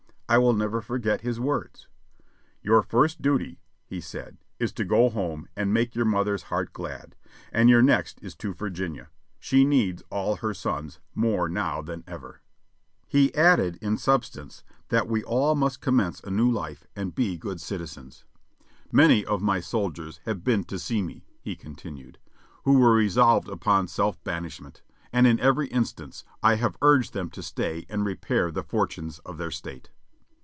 I will never forget his words. "Your first duty," he said, "is to go home and make your mother's heart glad, and your next is to Virginia. She needs all her sons more now than ever." He added, in substance, that we all must commence a new Hfe and be good citizens. "Many of my soldiers have been to see me," he continued, "who were re solved upon self banishment, and in every instance I have urged them to stay and repair the fortunes of their State."